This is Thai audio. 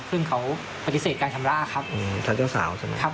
ซึ่งเขาปฏิเสธการชำระครับทางเจ้าสาวใช่ไหมครับ